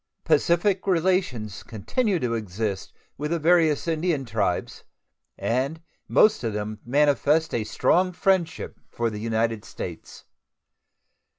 Pacific relations continue to exist with the various Indian tribes, and most of them manifest a strong friendship for the United States.